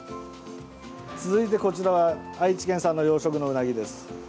続いてこちら愛知県産の養殖のウナギです。